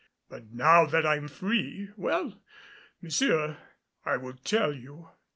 But now that I am free well, monsieur I will tell you."